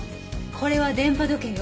これは電波時計よ。